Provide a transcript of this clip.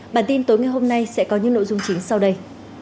bản tin tối ngày hôm nay sẽ có những nội dung chính sau đây